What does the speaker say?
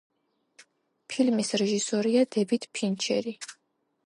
ფილმის რეჟისორია დევიდ ფინჩერი.